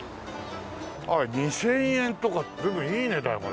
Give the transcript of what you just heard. ああ２０００円とか随分いい値だよこれ。